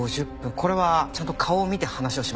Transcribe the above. これはちゃんと顔を見て話をしましたか？